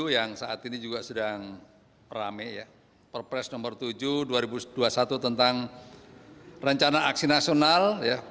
yang saat ini juga sedang rame ya perpres nomor tujuh dua ribu dua puluh satu tentang rencana aksi nasional